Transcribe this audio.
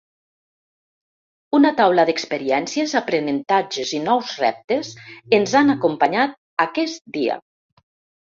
Una taula d’experiències, aprenentatges i nous reptes ens han acompanyat aquest dia.